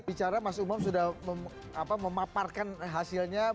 bicara mas umam sudah memaparkan hasilnya